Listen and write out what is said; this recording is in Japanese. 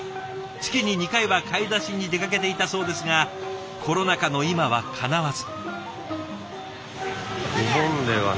月に２回は買い出しに出かけていたそうですがコロナ禍の今はかなわず。